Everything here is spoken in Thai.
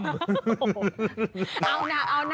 เอานะเอานะ